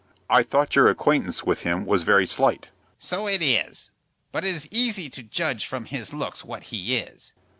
"I thought your acquaintance with him was very slight." "So it is; but it is easy to judge from his looks what he is."